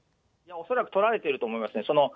恐らく、取られてると思いますね。